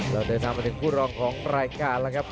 เราเดินทางมาถึงคู่รองของรายการแล้วครับ